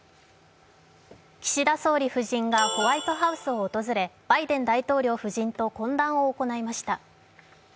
岸田総理夫人がホワイトハウスを訪れ、バイデン大統領夫人と懇談を行いました。